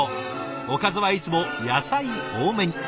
おかずはいつも野菜多めに。